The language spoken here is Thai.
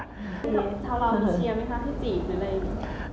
เชียร์ไหมคะที่จีบอะไร